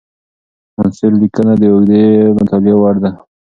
منثور لیکنه د اوږدې مطالعې وړ ده.